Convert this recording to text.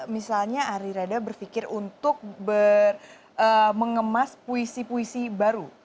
misalnya arirada berfikir untuk mengemas puisi puisi baru